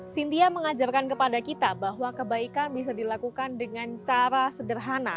cynthia mengajarkan kepada kita bahwa kebaikan bisa dilakukan dengan cara sederhana